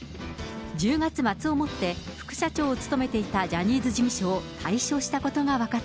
１０月末をもって副社長を務めていたジャニーズ事務所を退所した